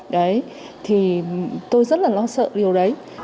đấy thì tôi rất là lo sợ điều đấy